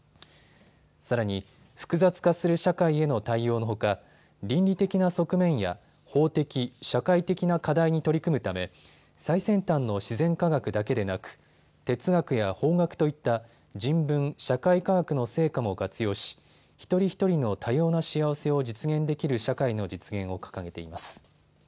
さらに、複雑化する社会への対応のほか倫理的な側面や法的、社会的な課題に取り組むため最先端の自然科学だけでなく哲学や法学といった人文・社会科学の成果も活用し一人一人の多様な幸せを実現できる社会の実現を掲げています。